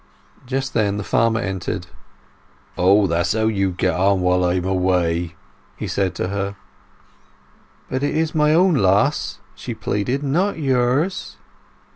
Just then the farmer entered. "Oh, that's how you get on when I am away," he said to her. "But it is my own loss," she pleaded. "Not yours."